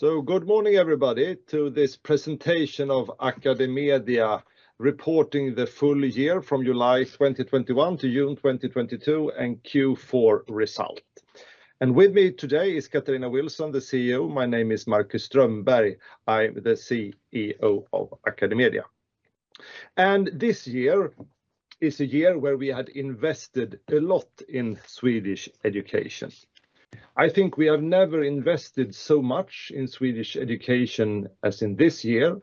Good morning everybody to this Presentation of AcadeMedia Reporting the Full Year from July 2021 to June 2022 and Q4 result. With me today is Katarina Wilson, the CFO. My name is Marcus Strömberg. I'm the CEO of AcadeMedia. This year is a year where we had invested a lot in Swedish education. I think we have never invested so much in Swedish education as in this year.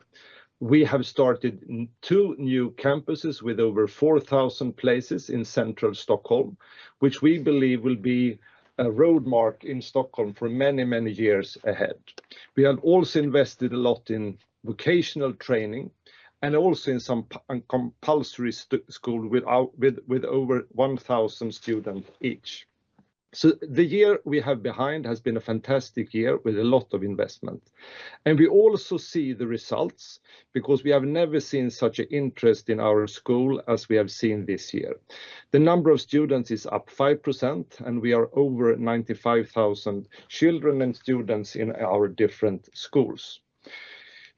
We have started two new campuses with over 4,000 places in central Stockholm, which we believe will be a landmark in Stockholm for many, many years ahead. We have also invested a lot in vocational training, and also in some compulsory school with over 1,000 students each. The year we have behind has been a fantastic year with a lot of investment. We also see the results, because we have never seen such a interest in our school as we have seen this year. The number of students is up 5%, and we are over 95,000 children and students in our different schools.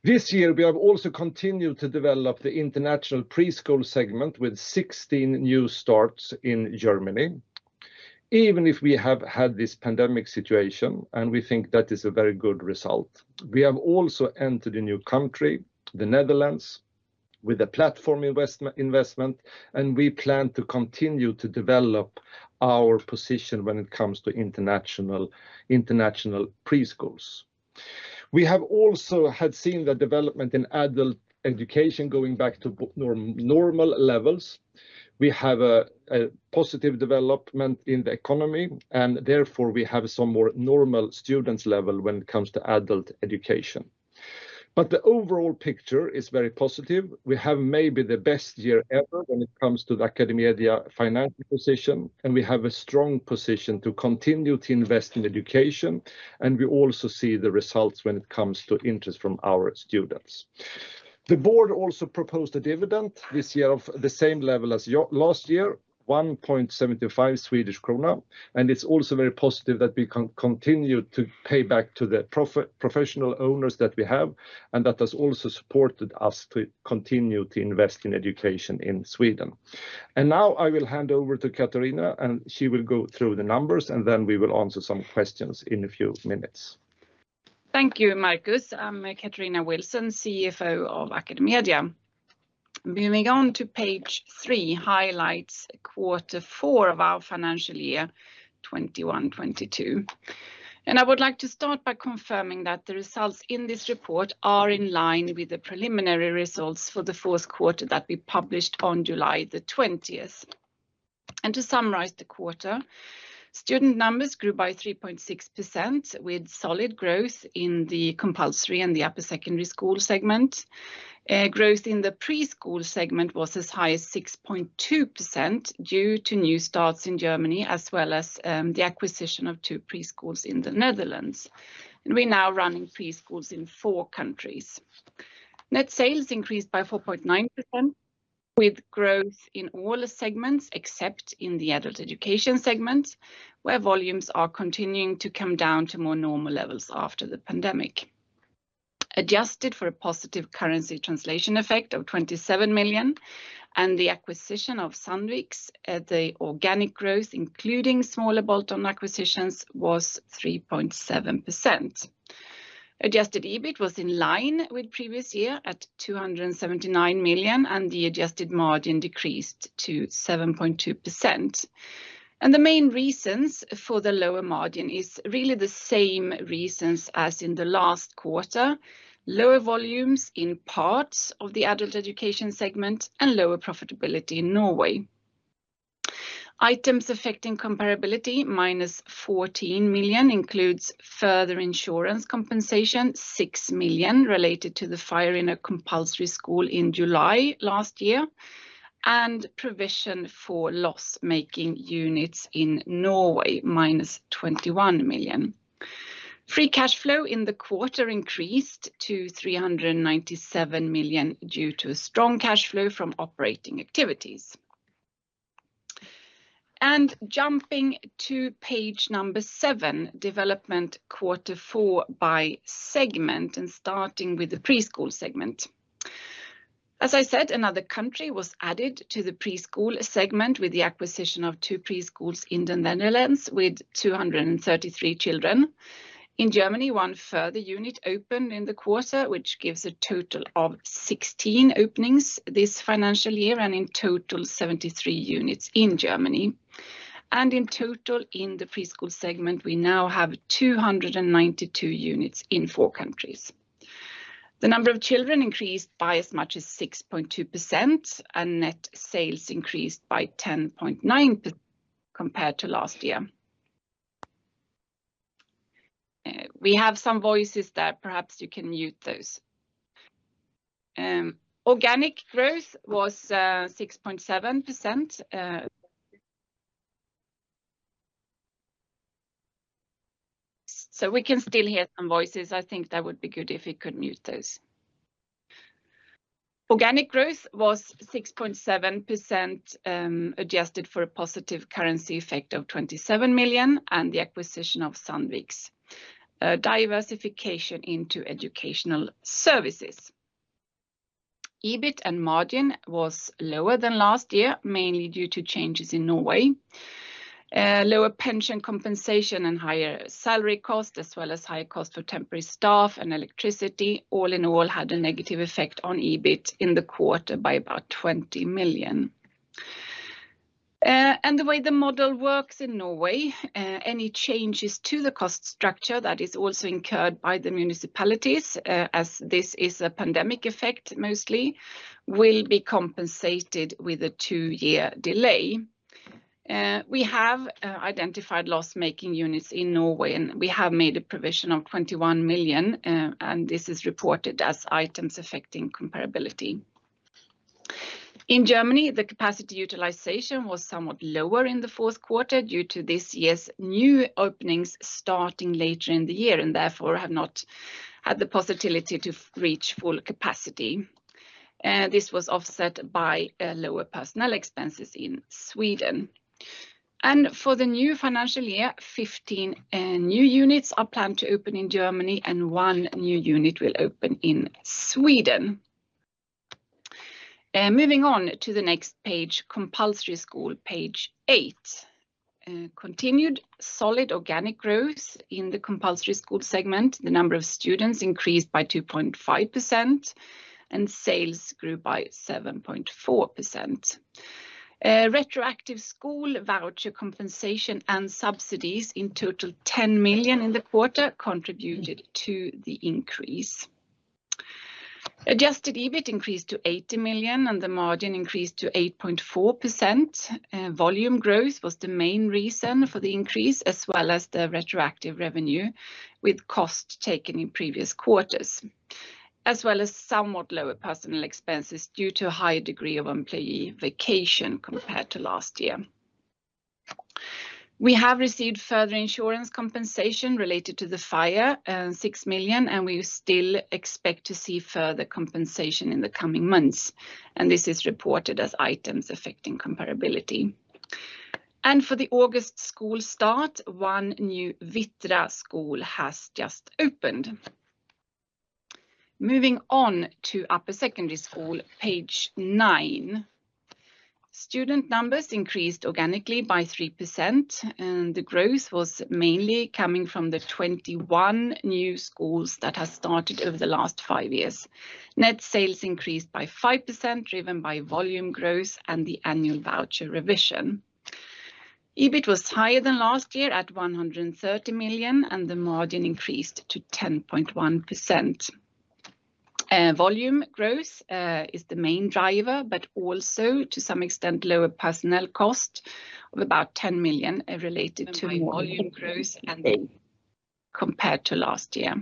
This year, we have also continued to develop the international preschool segment with 16 new starts in Germany, even if we have had this pandemic situation, and we think that is a very good result. We have also entered a new country, the Netherlands, with a platform investment, and we plan to continue to develop our position when it comes to international preschools. We have also had seen the development in adult education going back to normal levels. We have a positive development in the economy, and therefore we have some more normal students level when it comes to adult education. The overall picture is very positive. We have maybe the best year ever when it comes to the AcadeMedia financial position, and we have a strong position to continue to invest in education, and we also see the results when it comes to interest from our students. The board also proposed a dividend this year of the same level as last year, 1.725 Swedish krona, and it's also very positive that we continue to pay back to the professional owners that we have, and that has also supported us to continue to invest in education in Sweden. Now I will hand over to Katarina, and she will go through the numbers, and then we will answer some questions in a few minutes. Thank you, Marcus. I'm Katarina Wilson, CFO of AcadeMedia. Moving on to page three, highlights 4Q of our financial year 2021-2022. I would like to start by confirming that the results in this report are in line with the preliminary results for the fourth quarter that we published on July 20. To summarize the quarter, student numbers grew by 3.6% with solid growth in the compulsory and the upper secondary school segment. Growth in the preschool segment was as high as 6.2% due to new starts in Germany, as well as the acquisition of two preschools in the Netherlands. We're now running preschools in four countries. Net sales increased by 4.9% with growth in all segments except in the adult education segment, where volumes are continuing to come down to more normal levels after the pandemic. Adjusted for a positive currency translation effect of 27 million and the acquisition of Sandviks, the organic growth, including smaller bolt-on acquisitions, was 3.7%. Adjusted EBIT was in line with previous year at 279 million, and the adjusted margin decreased to 7.2%. The main reasons for the lower margin is really the same reasons as in the last quarter, lower volumes in parts of the adult education segment and lower profitability in Norway. Items Affecting Comparability -14 million includes further insurance compensation, 6 million related to the fire in a compulsory school in July last year, and provision for loss making units in Norway -21 million. Free cash flow in the quarter increased to 397 million due to strong cash flow from operating activities. Jumping to page number seven, development quarter four by segment and starting with the preschool segment. As I said, another country was added to the preschool segment with the acquisition of two preschools in the Netherlands with 233 children. In Germany, one further unit opened in the quarter, which gives a total of 16 openings this financial year and in total 73 units in Germany. In total in the preschool segment, we now have 292 units in four countries. The number of children increased by as much as 6.2%, and net sales increased by 10.9% compared to last year. Organic growth was 6.7%, adjusted for a positive currency effect of 27 million and the acquisition of Sandvik's diversification into educational services. EBIT and margin was lower than last year, mainly due to changes in Norway. Lower pension compensation and higher salary costs, as well as higher cost for temporary staff and electricity, all in all had a negative effect on EBIT in the quarter by about 20 million. The way the model works in Norway, any changes to the cost structure that is also incurred by the municipalities, as this is a pandemic effect mostly, will be compensated with a two-year delay. We have identified loss-making units in Norway, and we have made a provision of 21 million, and this is reported as Items Affecting Comparability. In Germany, the capacity utilization was somewhat lower in the fourth quarter due to this year's new openings starting later in the year and therefore have not had the possibility to reach full capacity. This was offset by lower personnel expenses in Sweden. For the new financial year, 15 new units are planned to open in Germany, and one new unit will open in Sweden. Moving on to the next page, compulsory school, page eight. Continued solid organic growth in the compulsory school segment. The number of students increased by 2.5%, and sales grew by 7.4%. Retroactive school voucher compensation and subsidies in total 10 million in the quarter contributed to the increase. Adjusted EBIT increased to 80 million, and the margin increased to 8.4%. Volume growth was the main reason for the increase, as well as the retroactive revenue, with cost taken in previous quarters, as well as somewhat lower personal expenses due to a higher degree of employee vacation compared to last year. We have received further insurance compensation related to the fire, six million, and we still expect to see further compensation in the coming months, and this is reported as items affecting comparability. For the August school start, one new Vittra school has just opened. Moving on to upper secondary school, page nine. Student numbers increased organically by 3%, and the growth was mainly coming from the 21 new schools that have started over the last five years. Net sales increased by 5%, driven by volume growth and the annual voucher revision. EBIT was higher than last year at 130 million, and the margin increased to 10.1%. Volume growth is the main driver, but also to some extent, lower personnel cost of about 10 million related to volume growth and compared to last year.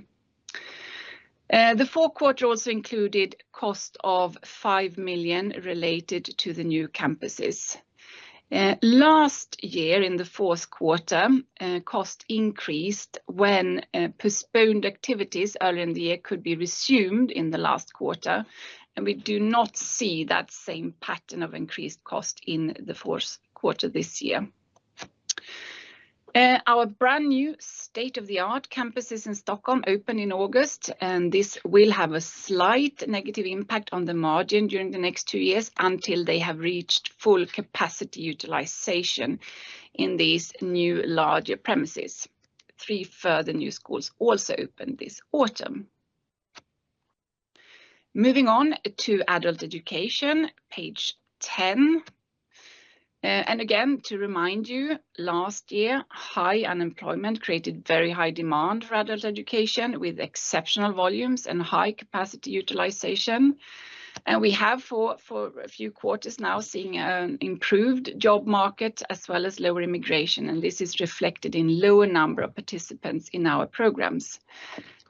The fourth quarter also included cost of 5 million related to the new campuses. Last year in the fourth quarter, cost increased when postponed activities earlier in the year could be resumed in the last quarter, and we do not see that same pattern of increased cost in the fourth quarter this year. Our brand-new state-of-the-art campuses in Stockholm open in August, and this will have a slight negative impact on the margin during the next two years until they have reached full capacity utilization in these new larger premises. Three further new schools also opened this autumn. Moving on to adult education, page 10. Again, to remind you, last year, high unemployment created very high demand for adult education with exceptional volumes and high capacity utilization. We have for a few quarters now seeing an improved job market as well as lower immigration, and this is reflected in lower number of participants in our programs.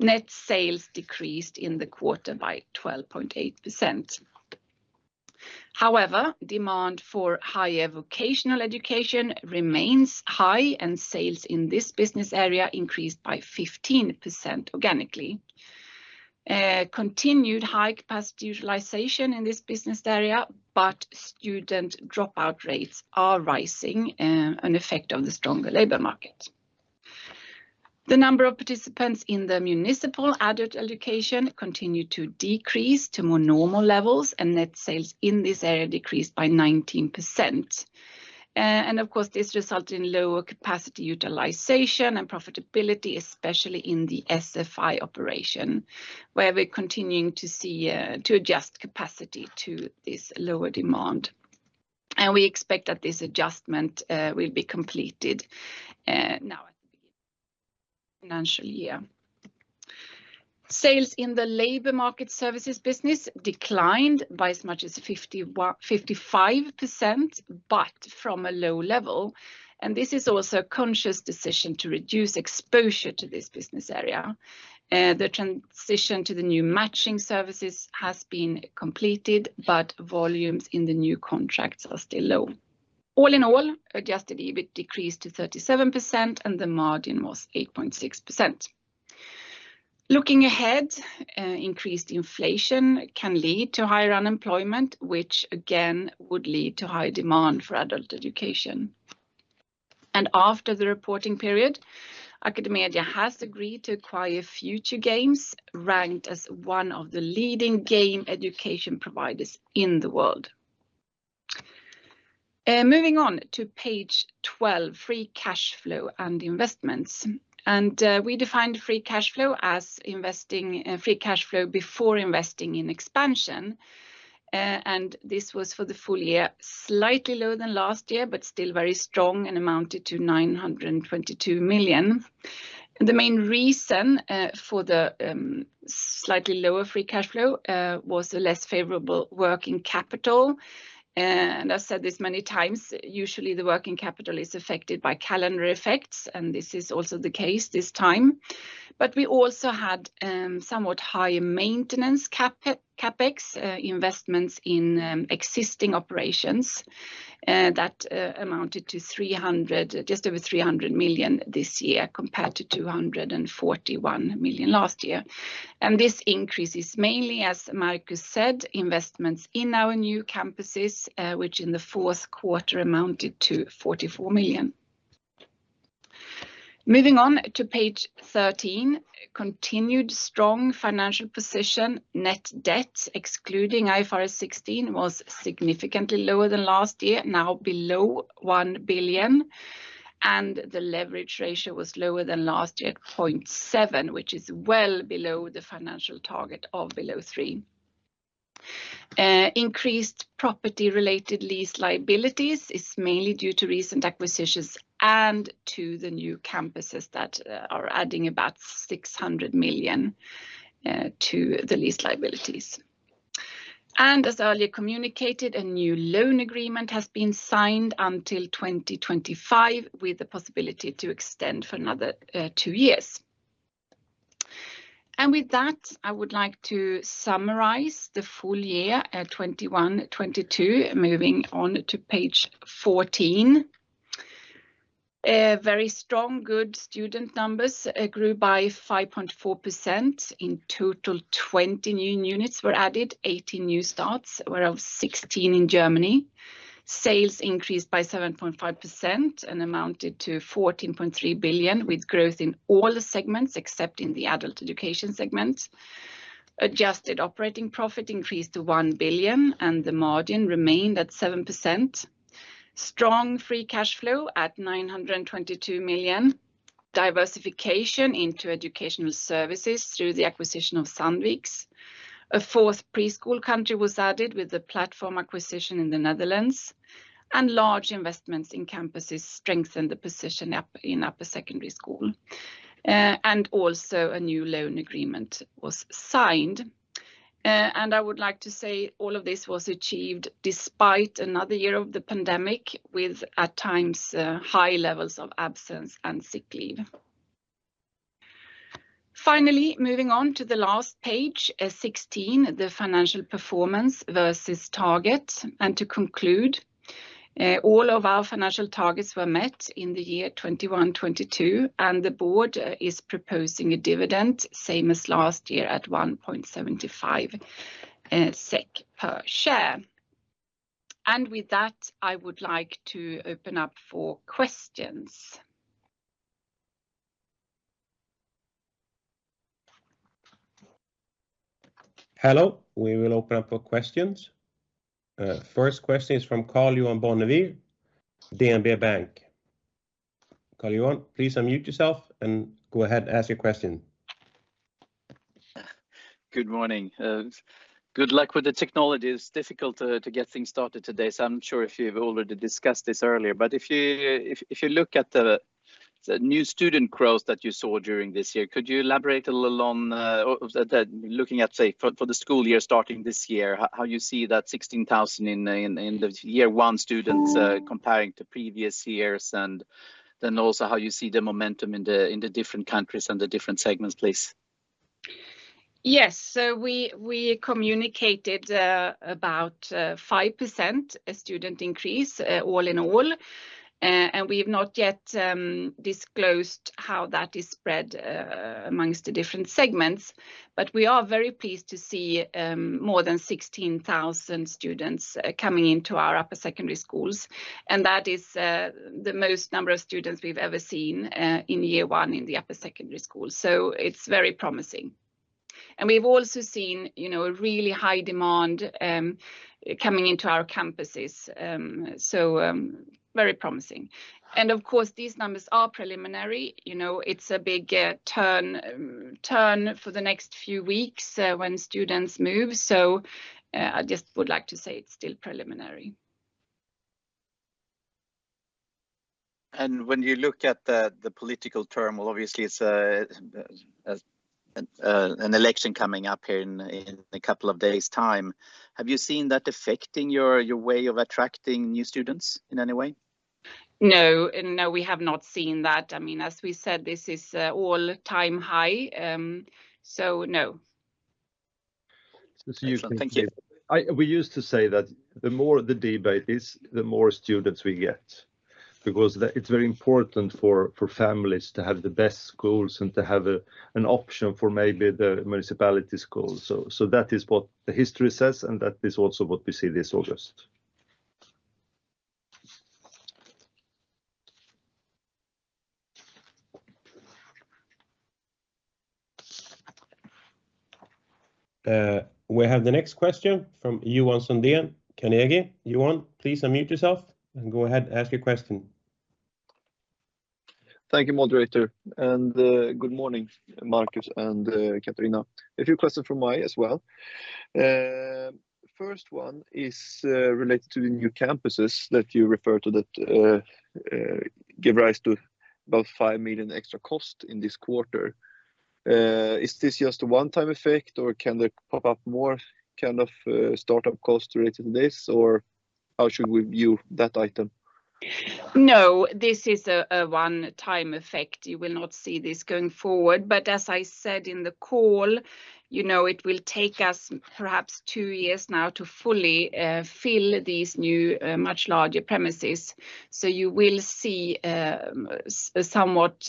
Net sales decreased in the quarter by 12.8%. However, demand for higher vocational education remains high, and sales in this business area increased by 15% organically. Continued high capacity utilization in this business area, but student dropout rates are rising, an effect of the stronger labor market. The number of participants in the municipal adult education continued to decrease to more normal levels, and net sales in this area decreased by 19%. Of course, this result in lower capacity utilization and profitability, especially in the SFI operation, where we're continuing to see, to adjust capacity to this lower demand. We expect that this adjustment will be completed now at the beginning of the financial year. Sales in the labor market services business declined by as much as 55% but from a low level. This is also a conscious decision to reduce exposure to this business area. The transition to the new matching services has been completed, but volumes in the new contracts are still low. All in all, adjusted EBIT decreased to 37% and the margin was 8.6%. Looking ahead, increased inflation can lead to higher unemployment, which again would lead to high demand for adult education. After the reporting period, AcadeMedia has agreed to acquire Futuregames, ranked as one of the leading game education providers in the world. Moving on to page 12, free cash flow and investments. We defined free cash flow before investing in expansion. This was for the full year, slightly lower than last year, but still very strong and amounted to 922 million. The main reason for the slightly lower free cash flow was the less favorable working capital. I've said this many times, usually the working capital is affected by calendar effects, and this is also the case this time. We also had somewhat high maintenance CapEx investments in existing operations that amounted to just over 300 million this year compared to 241 million last year. This increase is mainly, as Marcus said, investments in our new campuses, which in the fourth quarter amounted to 44 million. Moving on to page 13, continued strong financial position. Net debt excluding IFRS 16 was significantly lower than last year. Now below 1 billion, and the leverage ratio was lower than last year at 0.7, which is well below the financial target of below 3. Increased property-related lease liabilities is mainly due to recent acquisitions and to the new campuses that are adding about 600 million to the lease liabilities. As earlier communicated, a new loan agreement has been signed until 2025 with the possibility to extend for another two years. With that, I would like to summarize the full year 2021, 2022. Moving on to page 14. Very strong student numbers grew by 5.4%. In total, 20 new units were added. Eighteen new starts, of which 16 in Germany. Sales increased by 7.5% and amounted to 14.3 billion, with growth in all the segments except in the adult education segment. Adjusted operating profit increased to 1 billion and the margin remained at 7%. Strong free cash flow at 922 million. Diversification into educational services through the acquisition of Sandvik's. A fourth preschool country was added with the platform acquisition in the Netherlands, and large investments in campuses strengthened the position up in upper secondary school. A new loan agreement was signed. I would like to say all of this was achieved despite another year of the pandemic with, at times, high levels of absence and sick leave. Finally, moving on to the last page, 16, the financial performance versus target. To conclude, all of our financial targets were met in the year 2021, 2022, and the board is proposing a dividend, same as last year at 1.75 SEK per share. With that, I would like to open up for questions. Hello. We will open up for questions. First question is from Karl-Johan Bonnevier, DNB Bank. Karl-Johan, please unmute yourself and go ahead, ask your question. Good morning. Good luck with the technology. It's difficult to get things started today, so I'm sure if you've already discussed this earlier. If you look at the new student growth that you saw during this year, could you elaborate a little on that. Looking at, say, for the school year starting this year, how you see that 16,000 in the year one students, comparing to previous years, and then also how you see the momentum in the different countries and the different segments, please. Yes. We communicated about 5% student increase all in all. We have not yet disclosed how that is spread amongst the different segments. We are very pleased to see more than 16,000 students coming into our upper secondary schools, and that is the most number of students we've ever seen in year one in the upper secondary school. It's very promising. We've also seen, you know, a really high demand coming into our campuses. Very promising. Of course, these numbers are preliminary. It's a big turn for the next few weeks when students move. I just would like to say it's still preliminary. When you look at the political term, well, obviously it's an election coming up here in a couple of days' time. Have you seen that affecting your way of attracting new students in any way? No. No, we have not seen that. I mean, as we said, this is all-time high. No. Thank you. We used to say that the more the debate is, the more students we get. Because it's very important for families to have the best schools and to have an option for maybe the municipality schools. So that is what the history says, and that is also what we see this August. We have the next question from Johan Sundén, Carnegie. Johan, please unmute yourself and go ahead, ask your question. Thank you, moderator. Good morning, Marcus and Katarina. A few questions from me as well. First one is related to the new campuses that you refer to that give rise to about 5 million extra cost in this quarter. Is this just a one-time effect, or can there pop up more kind of startup costs related to this? Or how should we view that item? No, this is a one-time effect. You will not see this going forward. As I said in the call, you know, it will take us perhaps two years now to fully fill these new much larger premises. You will see somewhat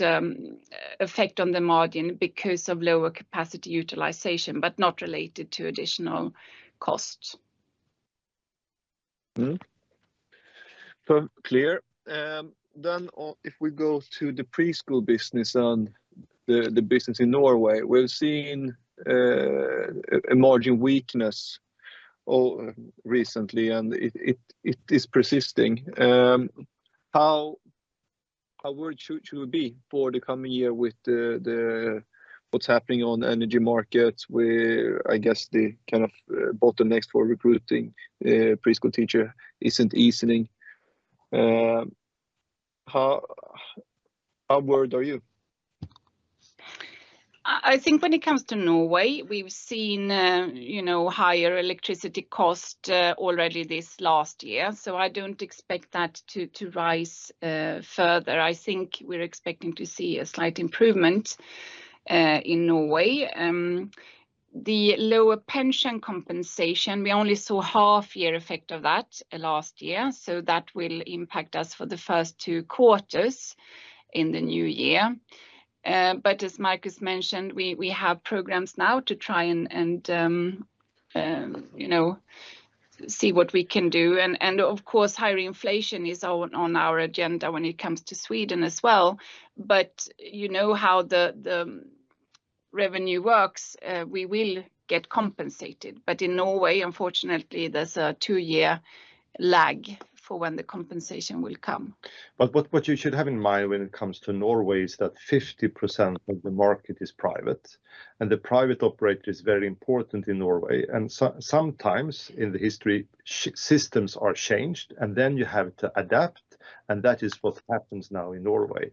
effect on the margin because of lower capacity utilization, but not related to additional costs. Clear. If we go to the preschool business and the business in Norway, we're seeing a margin weakness recently, and it is persisting. How worried should we be for the coming year with what's happening on energy markets where I guess the kind of bottleneck for recruiting preschool teacher isn't easing? How worried are you? I think when it comes to Norway, we've seen, you know, higher electricity cost already this last year, so I don't expect that to rise further. I think we're expecting to see a slight improvement in Norway. The lower pension compensation, we only saw half-year effect of that last year, so that will impact us for the first two quarters in the new year. But as Marcus mentioned, we have programs now to try and see what we can do. Of course, higher inflation is on our agenda when it comes to Sweden as well. You know how the revenue works. We will get compensated. In Norway, unfortunately, there's a 2-year lag for when the compensation will come. What you should have in mind when it comes to Norway is that 50% of the market is private, and the private operator is very important in Norway. Sometimes in the history, systems are changed, and then you have to adapt, and that is what happens now in Norway.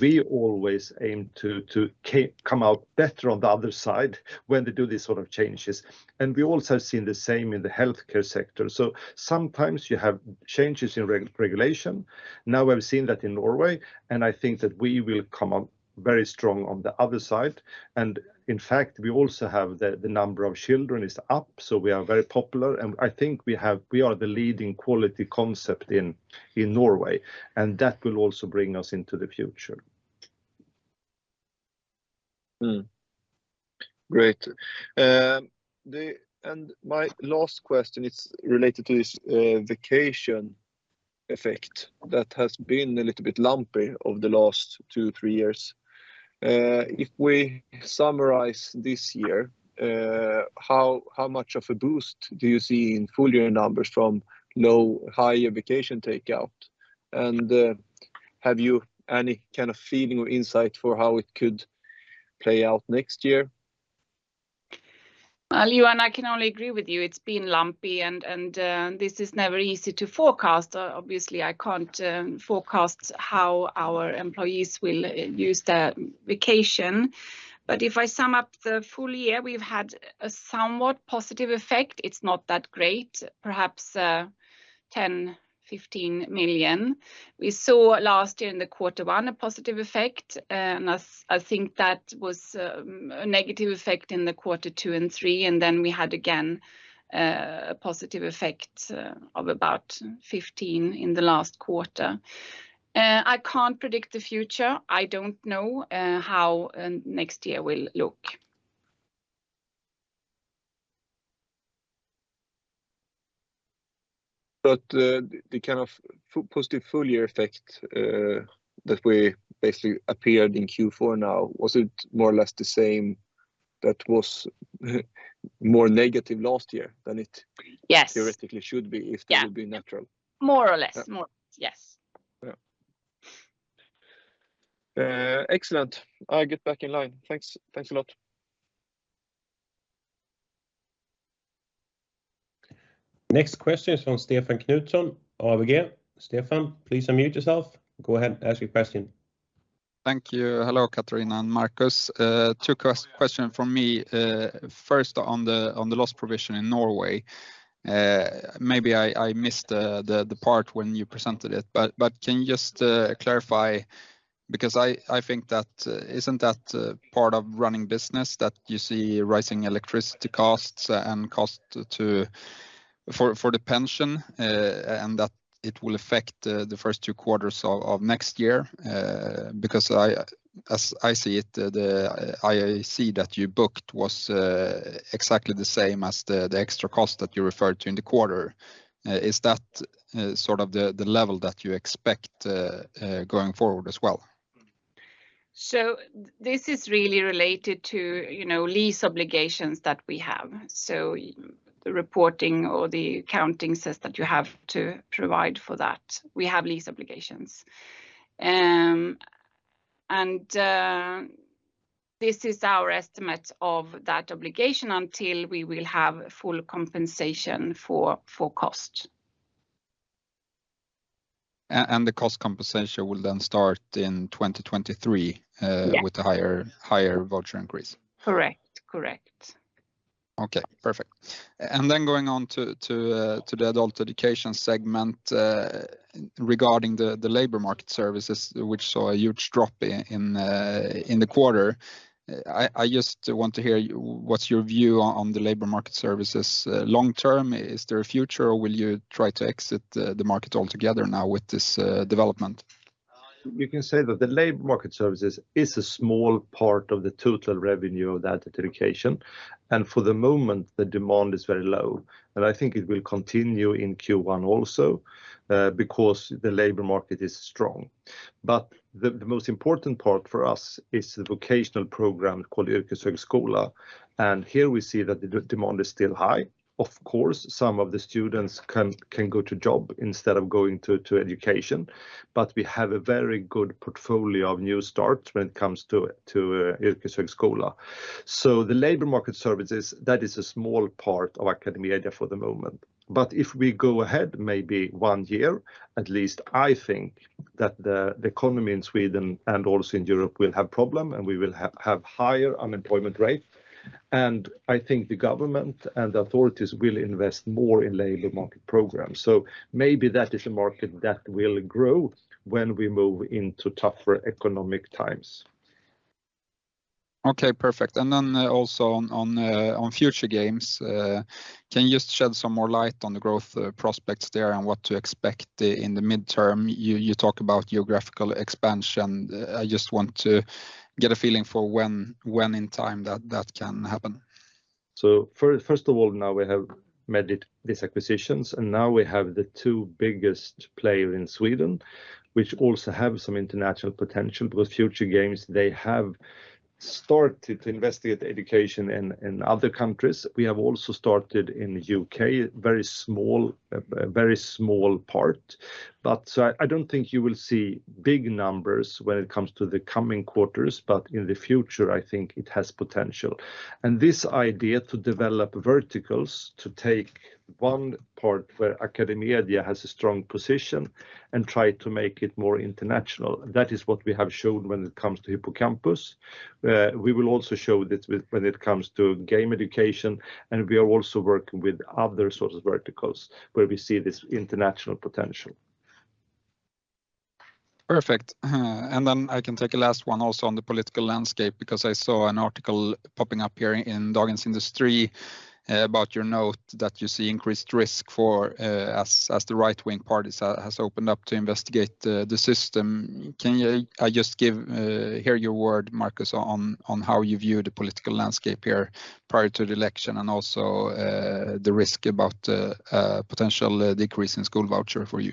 We always aim to come out better on the other side when they do these sort of changes. We also have seen the same in the healthcare sector. Sometimes you have changes in regulation. Now we've seen that in Norway, and I think that we will come out very strong on the other side. In fact, we also have the number of children is up, so we are very popular. I think we are the leading quality concept in Norway, and that will also bring us into the future. Mm-hmm. Great. My last question, it's related to this vacation effect that has been a little bit lumpy over the last two, three years. If we summarize this year, how much of a boost do you see in full year numbers from lower vacation takeout? Have you any kind of feeling or insight for how it could play out next year? Well, Johan, I can only agree with you. It's been lumpy and this is never easy to forecast. Obviously, I can't forecast how our employees will use their vacation. If I sum up the full year, we've had a somewhat positive effect. It's not that great, perhaps 10-15 million. We saw last year in quarter one a positive effect. I think that was a negative effect in quarter two and three. We had, again, a positive effect of about 15 million in the last quarter. I can't predict the future. I don't know how next year will look. The kind of positive full year effect that we basically had in Q4 now. Was it more or less the same that was more negative last year than it? Yes Theoretically should be if that. Yeah Would be natural? More or less. Yeah. More, yes. Yeah. Excellent. I get back in line. Thanks. Thanks a lot. Next question is from Stefan Knutsson, ABG. Stefan, please unmute yourself. Go ahead, ask your question. Thank you. Hello, Katarina and Marcus. Two questions from me. First on the loss provision in Norway. Maybe I missed the part when you presented it, but can you just clarify? Because I think that isn't that part of running business that you see rising electricity costs and costs for the pension, and that it will affect the first two quarters of next year? Because as I see it, the IAC that you booked was exactly the same as the extra cost that you referred to in the quarter. Is that sort of the level that you expect going forward as well? This is really related to, you know, lease obligations that we have. The reporting or the accounting says that you have to provide for that. We have lease obligations. This is our estimate of that obligation until we will have full compensation for cost. The cost compensation will then start in 2023. Yeah with the higher voucher increase. Correct. Okay, perfect. Going on to the adult education segment, regarding the labor market services, which saw a huge drop in the quarter. I just want to hear what's your view on the labor market services long term. Is there a future or will you try to exit the market altogether now with this development? We can say that the labor market services is a small part of the total revenue of that education, and for the moment, the demand is very low. I think it will continue in Q1 also, because the labor market is strong. The most important part for us is the vocational program called Yrkeshögskolan, and here we see that the demand is still high. Of course, some of the students can go to job instead of going to education, but we have a very good portfolio of new starts when it comes to Yrkeshögskolan. The labor market services, that is a small part of AcadeMedia for the moment. If we go ahead maybe one year, at least I think that the economy in Sweden and also in Europe will have problem, and we will have higher unemployment rate. I think the government and authorities will invest more in labor market programs. Maybe that is a market that will grow when we move into tougher economic times. Okay, perfect. Also on Futuregames, can you just shed some more light on the growth prospects there and what to expect in the midterm? You talk about geographical expansion. I just want to get a feeling for when in time that can happen. First of all, now we have made these acquisitions, and now we have the two biggest players in Sweden, which also have some international potential. With Futuregames, they have started to investigate education in other countries. We have also started in U.K., very small part. But I don't think you will see big numbers when it comes to the coming quarters, but in the future, I think it has potential. This idea to develop verticals, to take one part where AcadeMedia has a strong position and try to make it more international, that is what we have shown when it comes to Hypocampus. We will also show this when it comes to game education, and we are also working with other sorts of verticals where we see this international potential. Perfect. Then I can take a last one also on the political landscape, because I saw an article popping up here in Dagens Industri about your note that you see increased risk for, as the right-wing parties has opened up to investigate the system. Can you just give your word, Marcus, on how you view the political landscape here prior to the election and also the risk about potential decrease in school voucher for you?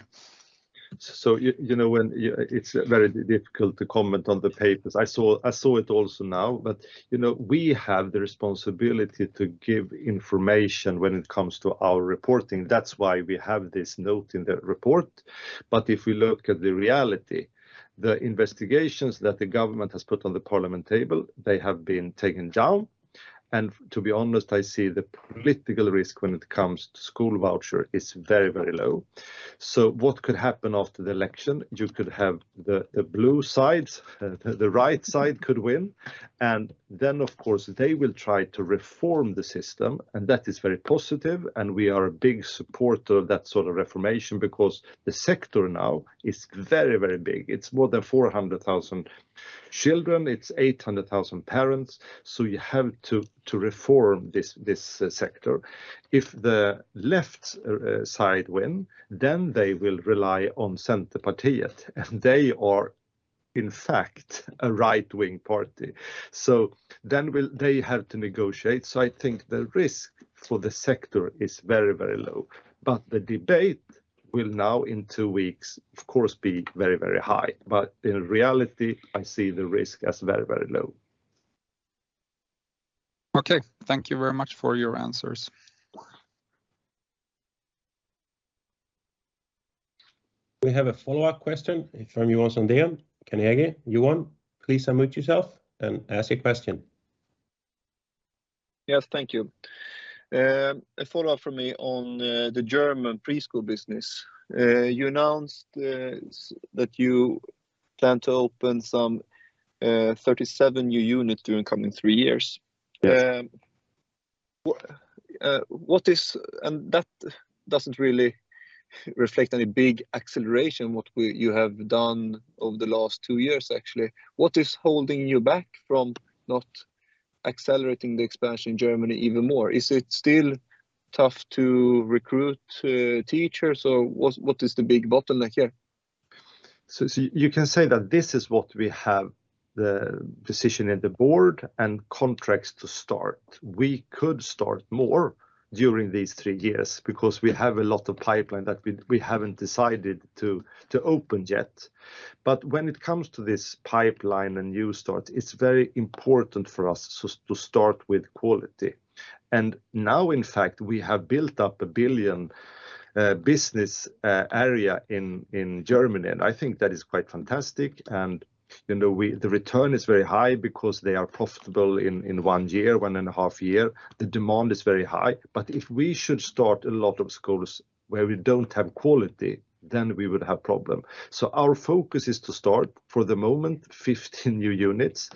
You know, it's very difficult to comment on the papers. I saw it also now, but you know, we have the responsibility to give information when it comes to our reporting. That's why we have this note in the report. If we look at the reality, the investigations that the government has put on the parliament table, they have been taken down. To be honest, I see the political risk when it comes to school voucher is very, very low. What could happen after the election? You could have the blue side, the right side could win, and then of course, they will try to reform the system, and that is very positive, and we are a big supporter of that sort of reformation because the sector now is very, very big. It's more than 400,000 children. It's 800,000 parents. You have to reform this sector. If the left side win, then they will rely on Centerpartiet, and they are in fact a right-wing party. Then will they have to negotiate. I think the risk for the sector is very low. The debate will now, in two weeks, of course, be very high. In reality, I see the risk as very low. Okay. Thank you very much for your answers. We have a follow-up question from Johan Sundén. Johan if you want, please unmute yourself and ask your question. Yes, thank you. A follow-up from me on the German preschool business. You announced that you Plan to open some 37 new units during coming three years. Yes That doesn't really reflect any big acceleration you have done over the last two years, actually. What is holding you back from not accelerating the expansion in Germany even more? Is it still tough to recruit teachers, or what is the big bottleneck here? See, you can say that this is what we have the decision in the board and contracts to start. We could start more during these three years because we have a lot of pipeline that we haven't decided to open yet. When it comes to this pipeline and new start, it's very important for us to start with quality. Now, in fact, we have built up 1 billion business area in Germany, and I think that is quite fantastic. You know, the return is very high because they are profitable in one year, one and a half year. The demand is very high. If we should start a lot of schools where we don't have quality, then we would have problem. Our focus is to start, for the moment, 15 new units,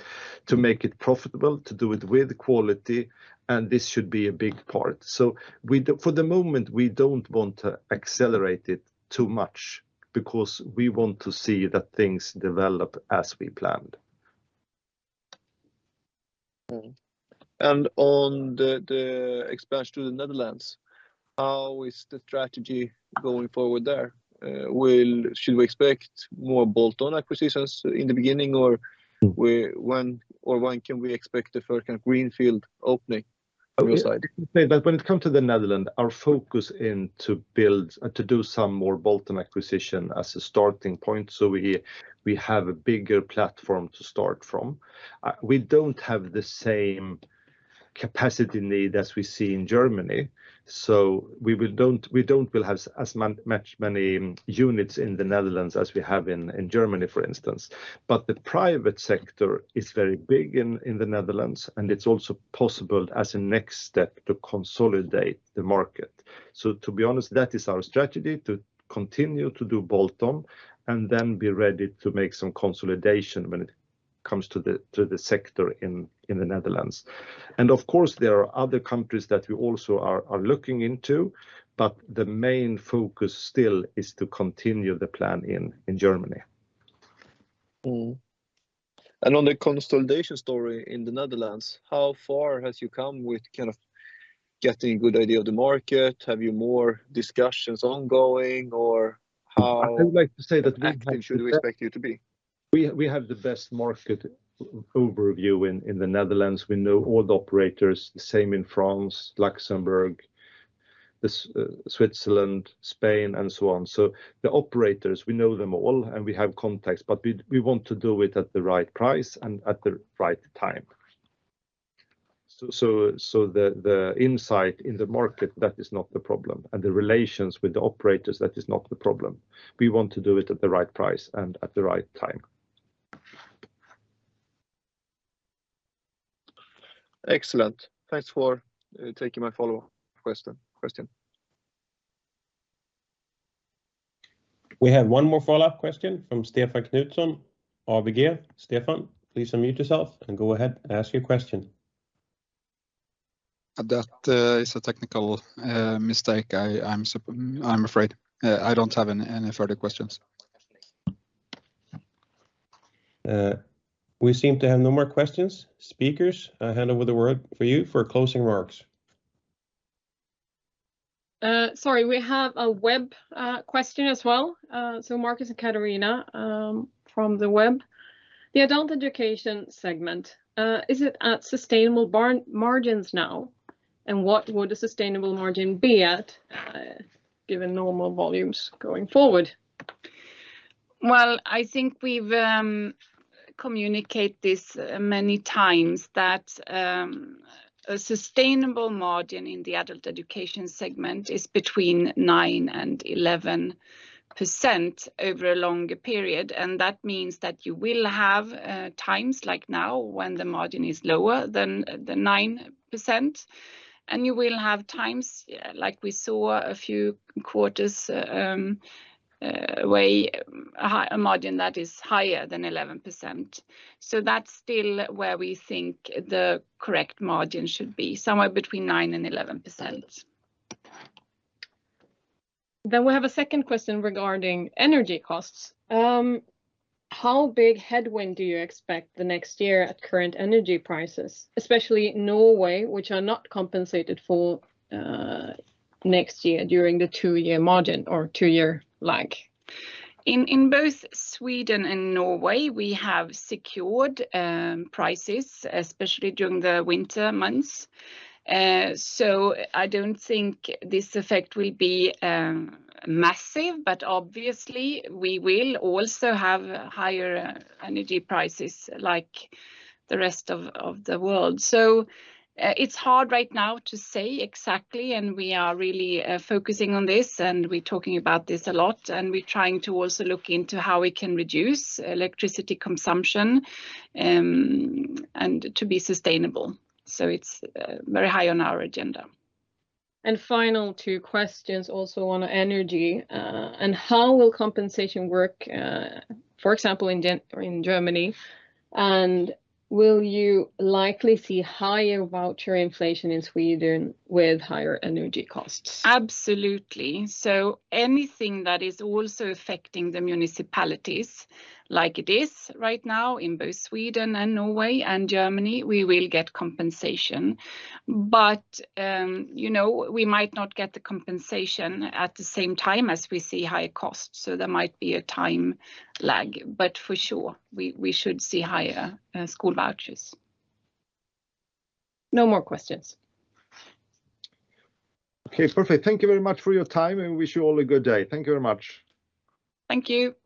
to make it profitable, to do it with quality, and this should be a big part. For the moment, we don't want to accelerate it too much because we want to see that things develop as we planned. On the expansion to the Netherlands, how is the strategy going forward there? Should we expect more bolt-on acquisitions in the beginning, or when can we expect the first kind of greenfield opening from your side? We say that when it comes to the Netherlands, our focus is to do some more bolt-on acquisitions as a starting point, so we have a bigger platform to start from. We don't have the same capacity need as we see in Germany, so we won't have as many units in the Netherlands as we have in Germany, for instance. The private sector is very big in the Netherlands, and it's also possible as a next step to consolidate the market. To be honest, that is our strategy, to continue to do bolt-on and then be ready to make some consolidation when it comes to the sector in the Netherlands. Of course, there are other countries that we also are looking into, but the main focus still is to continue the plan in Germany. On the consolidation story in the Netherlands, how far have you come with kind of getting good idea of the market? Do you have more discussions ongoing, or how- I would like to say that we have. Active should we expect you to be? We have the best market overview in the Netherlands. We know all the operators. The same in France, Luxembourg, Switzerland, Spain, and so on. The operators, we know them all, and we have contacts. But we want to do it at the right price and at the right time. The insight in the market, that is not the problem, and the relations with the operators, that is not the problem. We want to do it at the right price and at the right time. Excellent. Thanks for taking my follow-up question. We have one more follow-up question from Stefan Knutsson, ABG. Stefan, please unmute yourself and go ahead and ask your question. That is a technical mistake. I'm afraid. I don't have any further questions. We seem to have no more questions. Speakers, I hand over the word for you for closing remarks. Sorry, we have a web question as well. Marcus and Katarina, from the web. The adult education segment, is it at sustainable margins now, and what would a sustainable margin be at, given normal volumes going forward? Well, I think we've communicated this many times that a sustainable margin in the adult education segment is between 9% and 11% over a longer period. That means that you will have times like now when the margin is lower than the 9%, and you will have times like we saw a few quarters ago, a margin that is higher than 11%. That's still where we think the correct margin should be, somewhere between 9% and 11%. We have a second question regarding energy costs. How big headwind do you expect the next year at current energy prices, especially Norway, which are not compensated for, next year during the two-year margin or two-year lag? In both Sweden and Norway, we have secured prices, especially during the winter months. I don't think this effect will be massive, but obviously we will also have higher energy prices like the rest of the world. It's hard right now to say exactly, and we are really focusing on this, and we're talking about this a lot. We're trying to also look into how we can reduce electricity consumption and to be sustainable. It's very high on our agenda. Final two questions also on energy. How will compensation work, for example, in Germany? Will you likely see higher voucher inflation in Sweden with higher energy costs? Absolutely. Anything that is also affecting the municipalities, like it is right now in both Sweden and Norway and Germany, we will get compensation. You know, we might not get the compensation at the same time as we see higher costs, so there might be a time lag. For sure, we should see higher school vouchers. No more questions. Okay. Perfect. Thank you very much for your time, and we wish you all a good day. Thank you very much. Thank you.